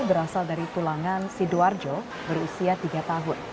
berasal dari tulangan sidoarjo berusia tiga tahun